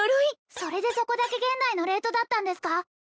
それでそこだけ現代のレートだったんですか？